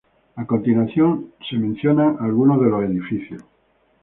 A continuación son mencionados algunos de los edificios.